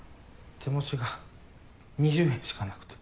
手持ちが２０円しかなくて。